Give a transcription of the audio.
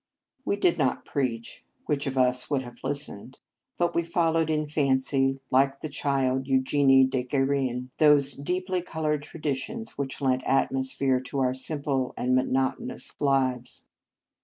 We did not preach (which of us would have listened?), but we followed in fancy, like the child, Eugenie de Gue rin, those deeply coloured traditions which lent atmosphere to our simple and monotonous lives.